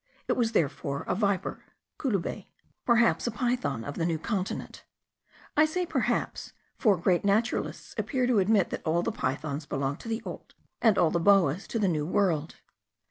It was therefore a viper (coluber); perhaps a python of the New Continent: I say perhaps, for great naturalists appear to admit that all the pythons belong to the Old, and all the boas to the New World.